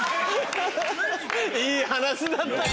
いい話だったな。